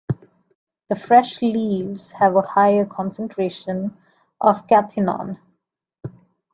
The fresh leaves have a higher concentration of cathinone.